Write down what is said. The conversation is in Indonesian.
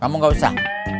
kamu nggak usah